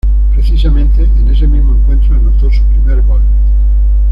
Precisamente en ese mismo encuentro anotó su primer gol.